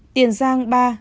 tiền giang ba